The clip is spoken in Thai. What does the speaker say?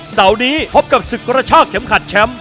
เสาร์นี้พบกับศึกกระชากเข็มขัดแชมป์